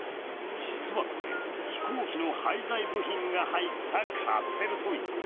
実はこれ、飛行機の廃材部品が入ったカプセルトイ。